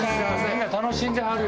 みんな楽しんではるよ。